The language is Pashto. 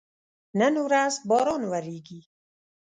نن ورځ باران وریږي